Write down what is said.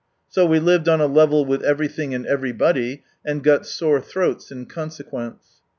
So we lived on a level with everything and everybody, and got sore throats in consequence.